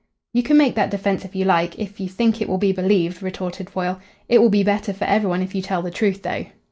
"You can make that defence if you like if you think it will be believed," retorted Foyle. "It will be better for every one if you tell the truth, though."